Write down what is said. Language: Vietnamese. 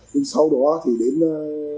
nhưng sau đó thì đến tầm một mươi một giờ hai mươi